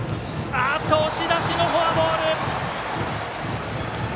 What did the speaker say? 押し出しのフォアボール！